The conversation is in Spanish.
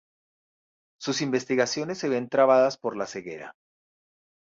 Sus investigaciones se ven trabadas por la ceguera.